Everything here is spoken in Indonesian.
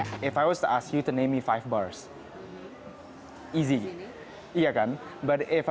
tapi kalau saya bertanya kepada anda untuk menyebutkan lima tempat makanan sehat yang sehat